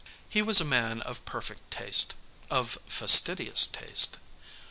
He was a man of perfect taste of fastidious taste.